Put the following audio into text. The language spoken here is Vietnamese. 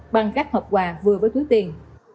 bằng các hộp quà vừa với cuối tiền